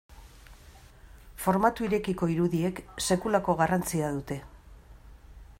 Formatu irekiko irudiek sekulako garrantzia dute.